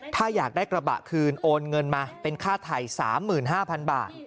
ถ้าอยากได้กระบะคืนโอนเงินมาเป็นค่าถ่ายสามหมื่นห้าพันบาท